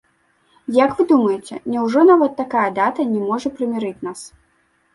Як вы думаеце, няўжо нават такая дата не можа прымірыць нас?